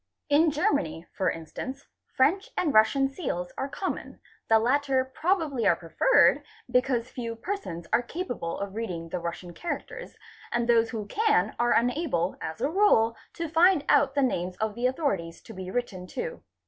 In Germany, for instance, French and Russian seals are common, the latter probably are _ preferred because few persons are capable of reading the Russian charac ters and those who can are unable as a rule to find out the names of _ the authorities to be written to.